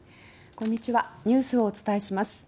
こんにちはニュースをお伝えします。